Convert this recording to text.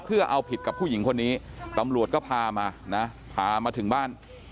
เพื่อเอาผิดกับผู้หญิงคนนี้ตำรวจก็พามานะพามาถึงบ้าน